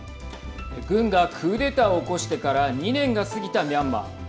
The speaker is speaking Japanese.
軍がクーデターを起こしてから２年が過ぎたミャンマー。